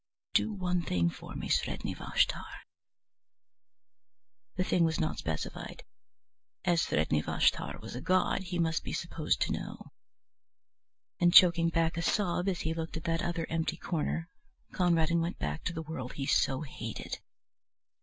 "Do one thing for me, Sredni Vashtar." The thing was not specified. As Sredni Vashtar was a god he must be supposed to know. And choking back a sob as he looked at that other empty corner, Conradin went back to the world he so hated.